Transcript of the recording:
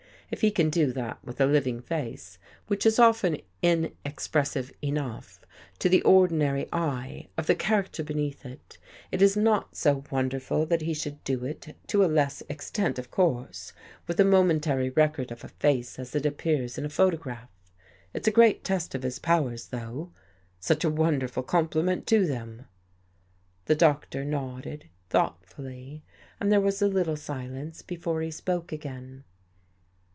If he can do that with a living face, which is often inexpressive enough, to the ordinary eye, of the character beneath it, it is not so wonder ful that he should do it, to a less extent of course, with a momentary record of a face as it appears in a photograph. It's a great test of his powers though, and a wonderful compliment to them." The Doctor nodded thoughtfully, and there was a little silence before he spoke again.